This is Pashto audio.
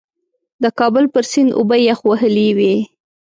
د کابل پر سیند اوبه یخ وهلې وې.